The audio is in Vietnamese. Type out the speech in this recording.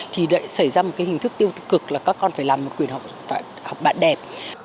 thì sẽ xảy ra một hình thức tiêu cực là các con phải làm một quyền học bạ đẹp